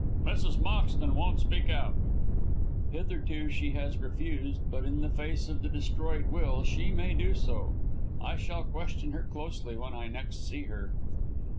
"Mrs. Moxton won't speak out." "Hitherto she has refused, but in the face of the destroyed will she may do so. I shall question her closely when I next see her."